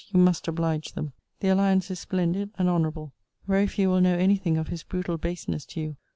You must oblige them. The alliance is splendid and honourable. Very few will know any thing of his brutal baseness to you.